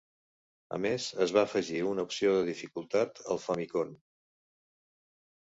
A més, es va afegir una opció de dificultat al Famicom.